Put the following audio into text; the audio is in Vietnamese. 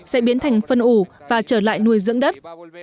sẽ biến thành phân ủ và trở lại nuôi dưỡng đất